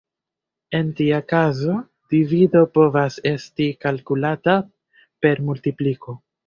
En tia kazo, divido povas esti kalkulata per multipliko.